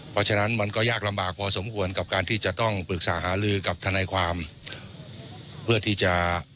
เพราะฉะนั้นมันก็ยากลำบากพอสมควรกับการที่จะต้องปรึกษาหาลือกับทนายความเพื่อที่จะ